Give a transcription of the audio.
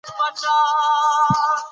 موږک چي یو سوری ولري نیول کېږي.